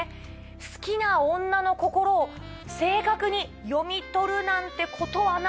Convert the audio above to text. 好きな女の心を正確に読み取るなんてことはな。